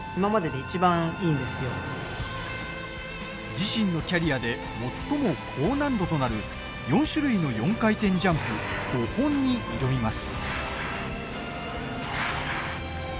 自身のキャリアで最も高難度となる４種類の４回転ジャンプ５本に挑みます。